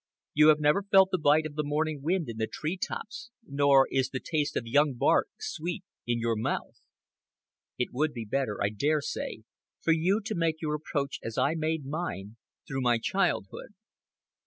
You have never felt the bite of the morning wind in the tree tops, nor is the taste of young bark sweet in your mouth. It would be better, I dare say, for you to make your approach, as I made mine, through my childhood.